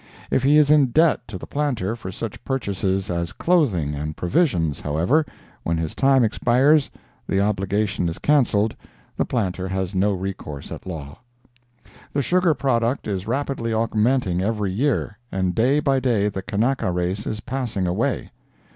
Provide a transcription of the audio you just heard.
If he is in debt to the planter for such purchases as clothing and provisions, however, when his time expires, the obligation is canceled—the planter has no recourse at law. The sugar product is rapidly augmenting every year, and day by day the Kanaka race is passing away.